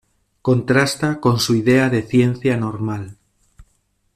Contrasta con su idea de ciencia normal.